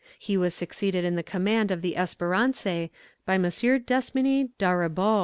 He was succeeded in the command of the Espérance by M. D'Hesminy d'Auribeau.